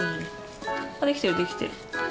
あできてるできてる。